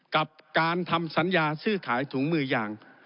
กับการทำสัญญาซื้อขายถุงมือยาง